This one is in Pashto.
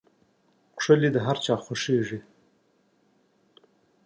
ښکلي د هر چا خوښېږي.